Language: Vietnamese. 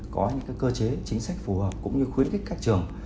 có những cơ chế chính sách phù hợp cũng như khuyến khích các trường